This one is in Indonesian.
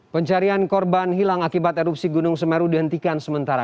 pencarian korban hilang akibat erupsi gunung semeru dihentikan sementara